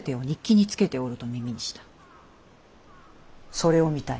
それを見たい。